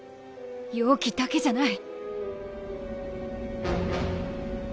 妖気だけじゃない